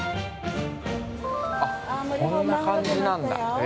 ◆こんな感じなんだ。